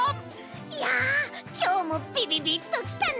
いやきょうもびびびっときたね！